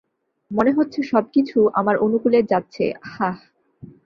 মনে হচ্ছে সবকিছু আমার অনুকূলে যাচ্ছে, হাহ?